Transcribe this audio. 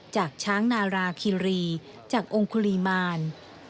จากช้างนาราคิรีจากองค์คุลีมาร